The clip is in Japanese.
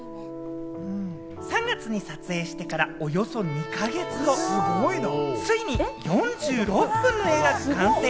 ３月に撮影してからおよそ２か月後、ついに４６分の映画が完成。